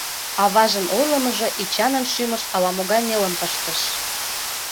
Аважын ойлымыжо Эчанын шӱмыш ала-могай нелым пыштыш.